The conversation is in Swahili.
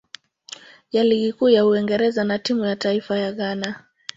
ya Ligi Kuu ya Uingereza na timu ya taifa ya Ghana.